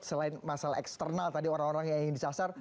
selain masalah eksternal tadi orang orang yang ingin disasar